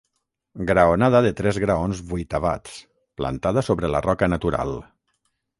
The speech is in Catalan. Graonada de tres graons vuitavats, plantada sobre la roca natural.